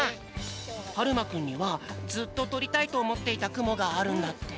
はるまくんにはずっととりたいとおもっていたくもがあるんだって。